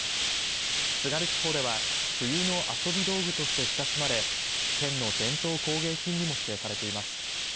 津軽地方では冬の遊び道具として親しまれ県の伝統工芸品にも指定されています。